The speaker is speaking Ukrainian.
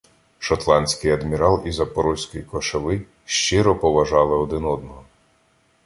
Шотландський адмірал і запорозький кошовий щиро поважали один одного.